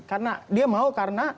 karena dia mau karena